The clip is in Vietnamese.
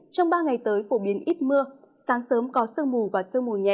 trong ba ngày tới phổ biến ít mưa sáng sớm có sương mù và sương mù nhẹ